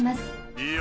いいよ。